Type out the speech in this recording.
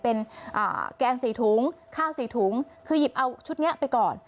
เป็นอ่าแกงสี่ถุงข้าวสี่ถุงคือหยิบเอาชุดเนี้ยไปก่อน